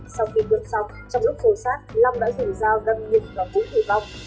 sau khi vượt xong trong lúc sổ sát long đã dùng dao đâm nhật và vũ thủy vong